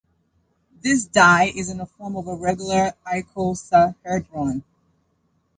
This die is in the form of a regular icosahedron.